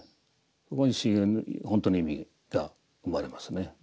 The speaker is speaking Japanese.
そこに修行の本当の意味が生まれますね。